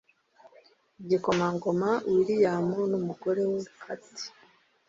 Igikomangoma William n’umugore we Kate